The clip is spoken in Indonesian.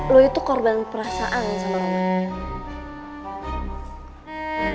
lo itu korban perasaan sama